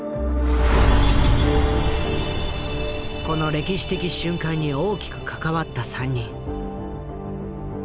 この歴史的瞬間に大きく関わった３人。